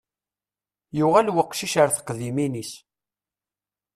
Yuɣal weqcic ar teqdimin-is.